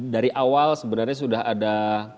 dari awal sebenarnya sudah ada